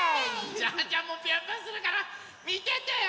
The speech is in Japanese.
ジャンジャンもピョンピョンするからみててよ！